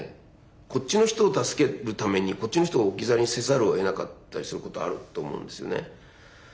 こっちの人を助けるためにこっちの人を置き去りにせざるをえなかったりすることあると思うんですよね。